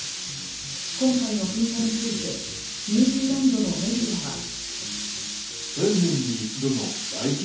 今回の噴火についてニュージーランドのメディアは。